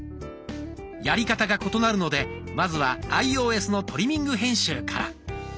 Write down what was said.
やり方が異なるのでまずはアイオーエスのトリミング編集から。